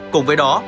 cùng với đó